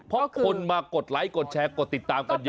เพราะคนมากดไลค์กดแชร์กดติดตามกันเยอะ